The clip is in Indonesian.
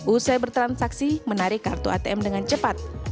usai bertransaksi menarik kartu atm dengan cepat